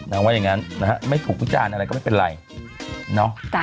ว่าอย่างนั้นนะฮะไม่ถูกวิจารณ์อะไรก็ไม่เป็นไรเนาะ